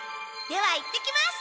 では行ってきます。